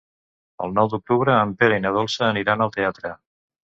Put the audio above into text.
El nou d'octubre en Pere i na Dolça aniran al teatre.